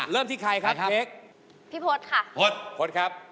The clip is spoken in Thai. เริ่มที่ใครครับเค้กพี่โพธค่ะโพธโพธครับ